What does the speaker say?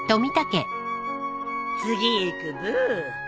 次いくブー。